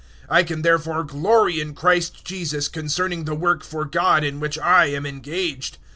015:017 I can therefore glory in Christ Jesus concerning the work for God in which I am engaged.